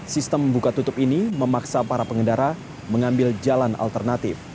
sistem buka tutup ini memaksa para pengendara mengambil jalan alternatif